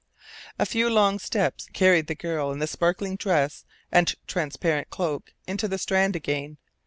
A few long steps carried the girl in the sparkling dress and transparent cloak into the Strand again.